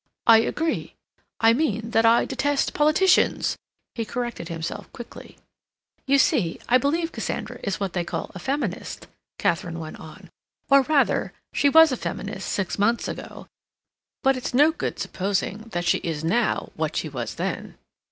"I agree. I mean that I detest politicians," he corrected himself quickly. "You see, I believe Cassandra is what they call a Feminist," Katharine went on. "Or rather, she was a Feminist six months ago, but it's no good supposing that she is now what she was then.